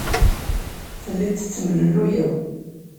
Telliḍ tettemlelluyeḍ.